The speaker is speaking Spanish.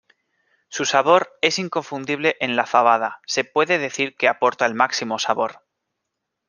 Su sabor es inconfundible en la fabada, se puede decir que aporta el máximo sabor.